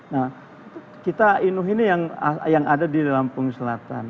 nah kita inuh ini yang ada di lampung selatan